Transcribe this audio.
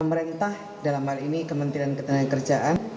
pemerintah dalam hal ini kementerian ketenagakerjaan